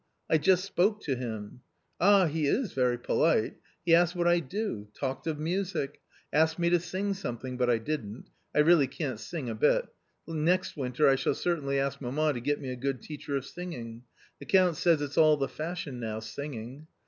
I just spoke to him. Ah ! he is very polite ; he asked what I do; talked of music; asked me to sing something, but I didn't ; I really can't sing a bit ; next winter I shall certainly ask mamma to get me a good teacher of singing. The Count says it's all the fashion now, singing."